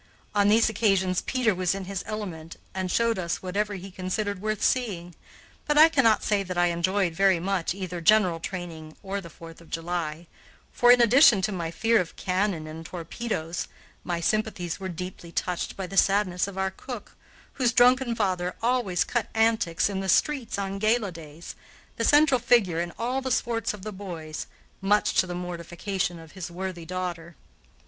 On these occasions Peter was in his element, and showed us whatever he considered worth seeing; but I cannot say that I enjoyed very much either "general training" or the Fourth of July, for, in addition to my fear of cannon and torpedoes, my sympathies were deeply touched by the sadness of our cook, whose drunken father always cut antics in the streets on gala days, the central figure in all the sports of the boys, much to the mortification of his worthy daughter.